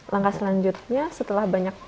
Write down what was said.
langkah selanjutnya setelah banyak